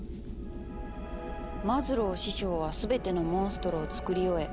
「マズロー師匠は全てのモンストロをつくり終え